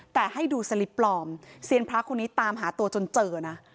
แต่ให้ดูสลิปปลอมเซียนพระคนนี้ตามหาตัวจนเจอนะ